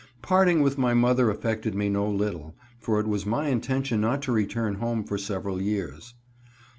Parting with my mother affected me no little, for it was my intention not to return home for several years.